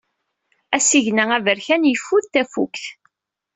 Asigna aberkan yeffud tafukt.